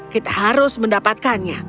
kita harus mendapatkannya